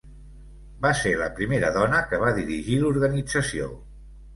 Va ser la primera dona que va dirigir l'organització.